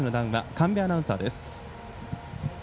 神戸アナウンサーです。